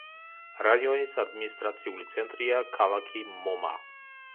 რაიონის ადმინისტრაციული ცენტრია ქალაქი მომა.